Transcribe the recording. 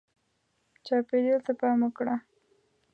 چاپېریال ته پام وکړه.